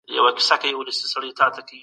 خلګو څنګه د ژرندو څخه د اوړو لپاره کار اخیست؟